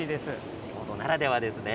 地元ならではですね。